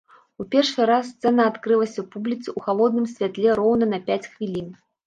У першы раз сцэна адкрылася публіцы ў халодным святле роўна на пяць хвілін.